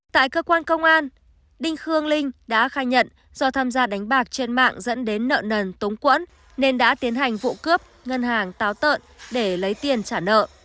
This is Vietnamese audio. tại cơ quan công an đinh khương linh đã khai nhận do tham gia đánh bạc trên mạng dẫn đến nợ nần túng quẫn nên đã tiến hành vụ cướp ngân hàng táo tợn để lấy tiền trả nợ